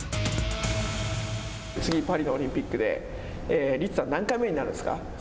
次、パリのオリンピックでリツさん、何回目になるんですか。